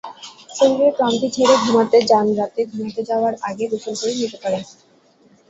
শরীরের ক্লান্তি ঝেড়ে ঘুমাতে যানরাতে ঘুমাতে যাওয়ার আগে গোসল করে নিতে পারেন।